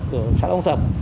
của xã đông sập